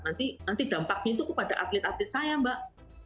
nanti dampaknya itu kepada atlet atlet saya mbak